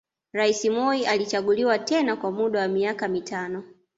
Rais Moi alichaguliwa tena kwa muda wa miaka mitano